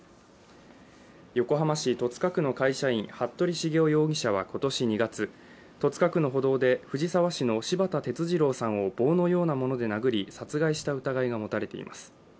横浜市戸塚区の会社員服部繁雄容疑者は今年２月戸塚区の歩道で藤沢市の柴田哲二郎さんを棒のようなもので殴り殺害した疑いが持たれています。